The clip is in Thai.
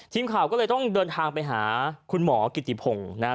ทีมข่าวก็เลยต้องเดินทางไปหาคุณหมอกิติพงศ์นะครับ